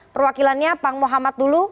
perwakilannya pang muhammad dulu